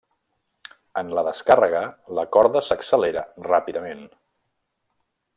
En la descàrrega, la corda s'accelera ràpidament.